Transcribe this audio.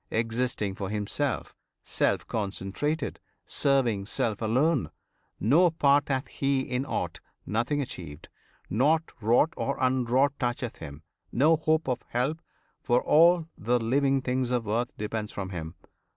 Existing for himself, Self concentrated, serving self alone, No part hath he in aught; nothing achieved, Nought wrought or unwrought toucheth him; no hope Of help for all the living things of earth Depends from him.